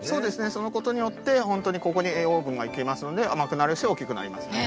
その事によってホントにここに栄養分がいきますので甘くなるし大きくなりますね。